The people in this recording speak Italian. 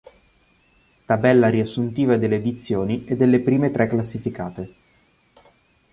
Tabella riassuntiva delle edizioni e delle prime tre classificate.